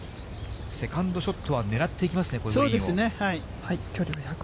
セカンドショットは狙っていきますね、これ。